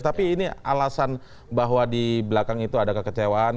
tapi ini alasan bahwa di belakang itu ada kekecewaan